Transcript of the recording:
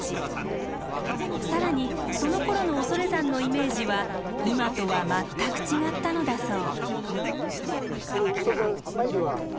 更にそのころの恐山のイメージは今とは全く違ったのだそう。